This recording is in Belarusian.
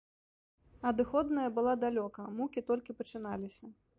Адыходная была далёка, мукі толькі пачыналіся.